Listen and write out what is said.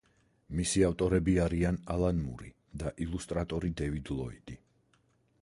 მისი ავტორები არიან ალან მური და ილუსტრატორი დევიდ ლოიდი.